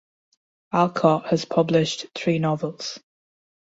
Alcott has published three novels.